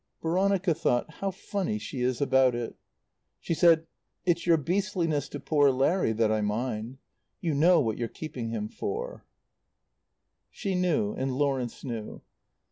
Veronica thought: "How funny she is about it!" She said, "It's your beastliness to poor Larry that I mind. You know what you're keeping him for." She knew; and Lawrence knew.